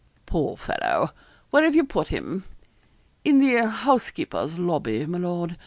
'Poor fellow. Where have you put him?' 'In the housekeeper's lobby, my lord.